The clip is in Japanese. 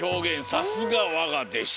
さすがわがでし。